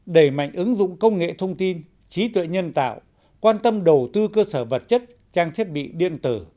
đẩy mạnh ứng dụng công nghệ thông tin trí tuệ nhân tạo quan tâm đầu tư cơ sở vật chất trang thiết bị điện tử